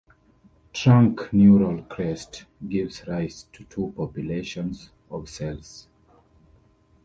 Trunk neural crest gives rise to two populations of cells.